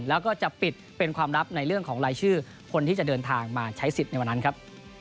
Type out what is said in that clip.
แล้วก็จะปิดเป็นความลับในเรื่องของรายชื่อคนที่จะเดินทางมาใช้สิทธิ์ในวันนั้นครับ